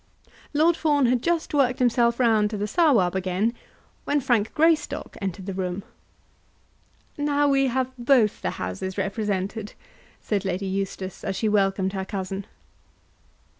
Lord Fawn had just worked himself round to the Sawab again, when Frank Greystock entered the room. "Now we have both the Houses represented," said Lady Eustace, as she welcomed her cousin.